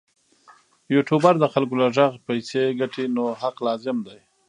یوټوبر د خلکو له غږ پیسې ګټي نو حق لازم دی.